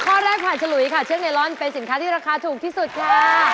ข้อแรกผ่านฉลุยค่ะเชือกไนลอนเป็นสินค้าที่ราคาถูกที่สุดค่ะ